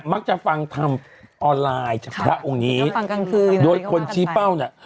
มักจะฟังทำออนไลน์จากพระองค์นี้ตอนกลางคืนโดยคนชี้เป้าเนี่ย